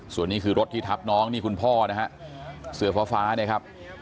ส่วนนี้คือรถที่ทับน้องนี่คุณพ่อนะฮะเสื้อฟ้าเนี่ยครับ